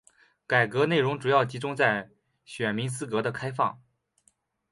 改革内容主要集中在选民资格的开放。